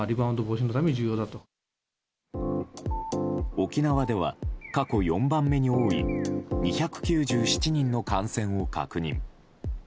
沖縄では過去４番目に多い２９７人の感染を確認。